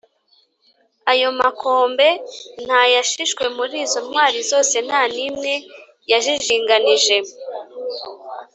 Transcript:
ayo makombe nta yashishwe: muri izo ntwari zose nta n’imwe yajijinganije